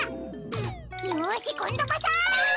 よしこんどこそ！